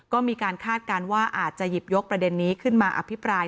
ก็มีการคาดการณ์ว่าอาจจะหยิบยกประเด็นนี้ขึ้นมาอภิปราย